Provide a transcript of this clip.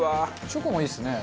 チョコもいいですね。